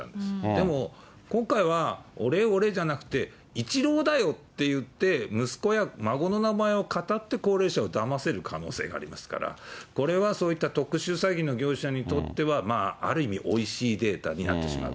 でも今回は、俺俺じゃなくて、いちろうだよって言って、息子や孫の名前を語って高齢者をだませる可能性がありますから、これは特殊詐欺の業者にとっては、ある意味、おいしいデータになっ